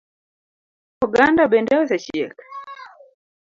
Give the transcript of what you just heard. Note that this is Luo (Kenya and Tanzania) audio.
Oganda bende osechiek?